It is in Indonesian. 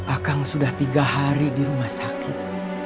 akang sudah tiga hari di rumah sakit